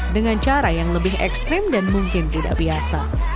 dengan cara yang lebih ekstrim dan mungkin tidak biasa